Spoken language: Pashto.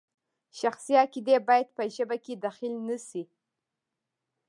شخصي عقیدې باید په ژبه کې دخیل نشي.